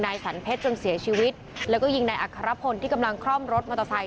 สันเพชรจนเสียชีวิตแล้วก็ยิงนายอัครพลที่กำลังคล่อมรถมอเตอร์ไซค